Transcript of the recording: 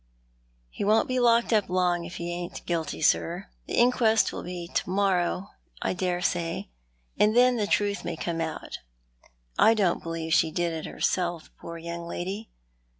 "He won't be locked uji long if he ain't guilty, sir. The inquest will be to morrow, I dare say, and then the truth may come out. I don't believe she did it herself, poor young lady."